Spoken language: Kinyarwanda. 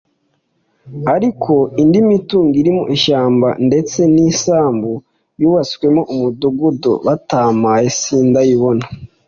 ariko indi mitungo irimo ishyamba ndetse n’isambu yubatswemo umudugudu batampaye sindayibona